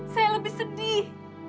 saya lebih sedih